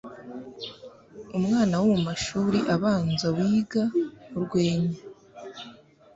umwana wo mu mashuri abanza wiga urwenya